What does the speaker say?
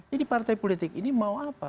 jadi partai politik ini mau apa